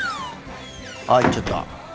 あ行っちゃった。